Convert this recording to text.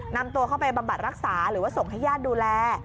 นำตัวเข้าไปบำบัดรักษาหรือว่าส่งให้ญาติดูแล